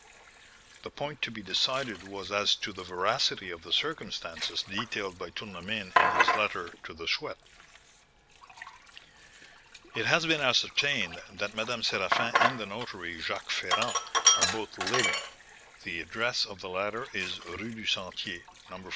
"The point to be decided was as to the veracity of the circumstances detailed by Tournemine in his letter to the Chouette. "It has been ascertained that Madame Séraphin and the notary, Jacques Ferrand, are both living; the address of the latter is Rue du Sentier, No.